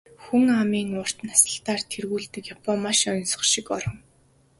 Хүн амын урт наслалтаар тэргүүлдэг Япон маш оньсого шиг орон.